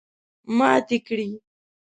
ماتې کړې.